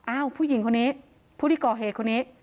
ผู้หญิงคนนี้ผู้ที่ก่อเหตุคนนี้